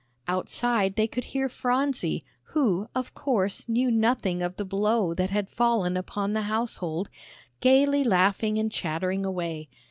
Outside they could hear Phronsie, who, of course, knew nothing of the blow that had fallen upon the household, gayly laughing and chattering away.